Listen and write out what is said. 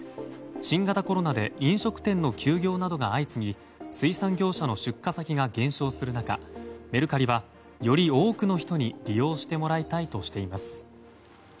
新型コロナで飲食店の休業などが相次ぎ水産業者の出荷先が減少する中メルカリはより多くの人に利用してもらいたいとしています。